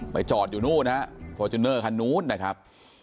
จอดอยู่นู่นฮะฟอร์จูเนอร์คันนู้นนะครับ